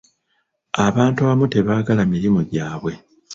Abantu abamu tebaagala mirimu gyabwe.